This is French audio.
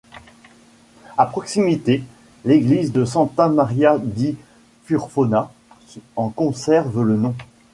À proximité, l'église de Santa Maria di Furfona en conserve le nom.